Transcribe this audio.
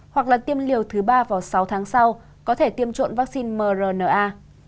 hoặc là tiêm liều thứ ba vào sáu tháng sau có thể tiêm chủng vaccine mrna